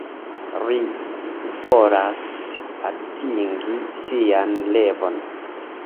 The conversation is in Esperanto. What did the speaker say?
Ri volas atingi sian revon.